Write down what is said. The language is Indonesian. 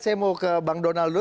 saya mau ke bang donal dulu